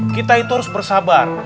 kita itu harus bersabar